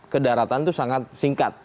kedaratan itu sangat singkat